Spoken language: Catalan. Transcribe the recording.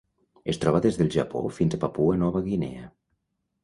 Es troba des del Japó fins a Papua Nova Guinea.